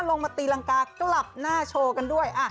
ลงมาตีรังกากลับหน้าโชว์กันด้วย